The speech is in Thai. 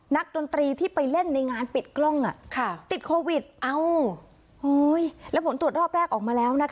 นักดนตรีที่ไปเล่นในงานปิดกล้องอ่ะ